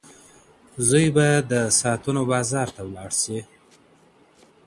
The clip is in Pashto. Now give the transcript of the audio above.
زوی به د ساعتونو بازار ته ولاړ سي.